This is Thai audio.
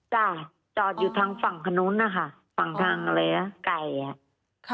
จ้ะจอดอยู่ทางฝั่งคนนู้นนะคะฝั่งทางอะไรนะไก่อ่ะค่ะ